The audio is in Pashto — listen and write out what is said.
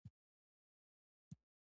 همداسې زمونږ جګړې هم نه ختميږي